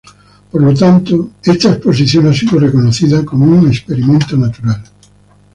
Por lo tanto, esta exposición ha sido reconocido como un experimento natural.